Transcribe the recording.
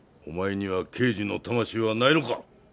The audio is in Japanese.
お前には刑事の魂はないのか？